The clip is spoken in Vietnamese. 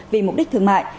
vì mục đích thương mại